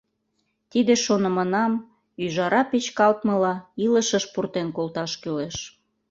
Тиде шонымынам, ӱжара печкалтмыла, илышыш пуртен колташ кӱлеш.